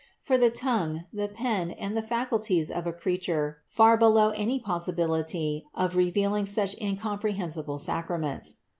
For the tongue, the pen, and all the faculties of a creature fall far below any pos sibility of revealing such incomprehensible sacraments.